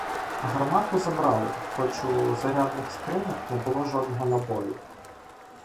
Гармату забрали, хоч у зарядних скринях не було жодного набою.